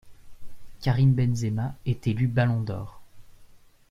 Karim Benzema est élu ballon d'or.